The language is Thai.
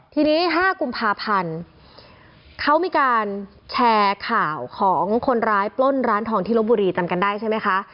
ทีนี้๕กุมภาพันธ์เขามีการแชร์ข่าวของคนร้ายปล้นร้านทองที่ลบบุรีจำกันได้ใช่ไหมคะ